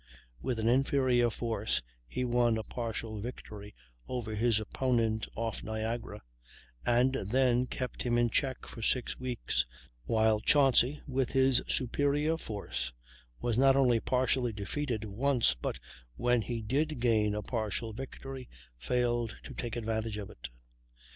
With an inferior force he won a partial victory over his opponent off Niagara, and then kept him in check for six weeks; while Chauncy, with his superior force, was not only partially defeated once, but, when he did gain a partial victory, failed to take advantage of it.